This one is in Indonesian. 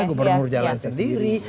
gubernur jalan sendiri